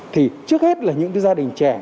thì trước hết là những gia đình trẻ